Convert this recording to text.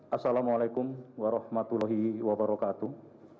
assalamu'alaikum warahmatullahi wabarakatuh